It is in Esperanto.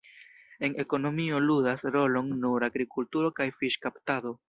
En ekonomio ludas rolon nur agrikulturo kaj fiŝkaptado.